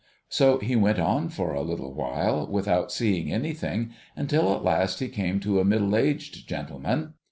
So, he went on for a little while without seeing anything, until at last he came to a middle aged gentleman.